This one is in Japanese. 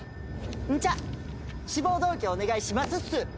じゃあ志望動機お願いしますっす！